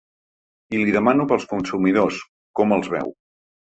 I li demano pels consumidors, com els veu.